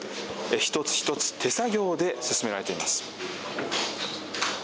一つ一つ手作業で進められています。